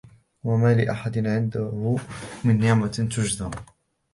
وَمَا لِأَحَدٍ عِنْدَهُ مِنْ نِعْمَةٍ تُجْزَى